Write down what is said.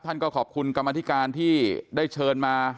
ท่านก็ขอบคุณกรรมธิการที่ได้เชิญมา